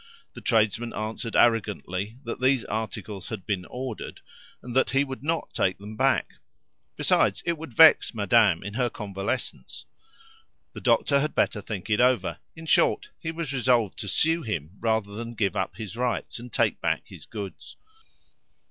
The tradesman answered arrogantly that these articles had been ordered, and that he would not take them back; besides, it would vex madame in her convalescence; the doctor had better think it over; in short, he was resolved to sue him rather than give up his rights and take back his goods.